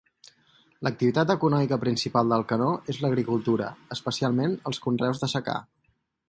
L'activitat econòmica principal d'Alcanó és l'agricultura, especialment els conreus de secà.